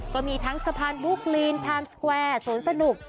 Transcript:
ก็มีทั้งสะพานบุ๊กลีนไทม์สแควร์สวนสนุก